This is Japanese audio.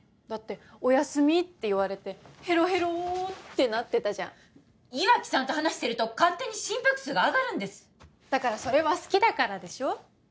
だっておやすみって言われてヘロヘローってなってたじゃん岩城さんと話してると勝手に心拍数が上がるんですだからそれは好きだからでしょ